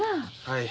はい。